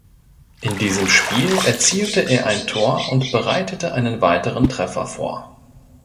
In diesem Spiel erzielte er ein Tor und bereitete einen weiteren Treffer vor.